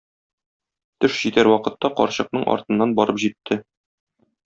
Төш җитәр вакытта, карчыкның артыннан барып җитте.